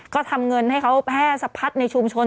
ก็ทำเงินให้เขาแพร่สะพัดในชุมชน